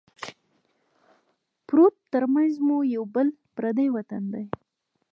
پروت ترمنځه مو یو یا بل پردی وطن دی